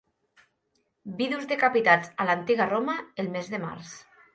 Vidus decapitats a l'antiga Roma el mes de març.